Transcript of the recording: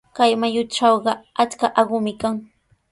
Kay mayutrawqa achka aqumi kan.